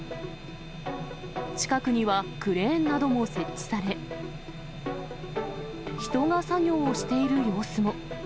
近くにはクレーンなども設置され、人が作業をしている様子も。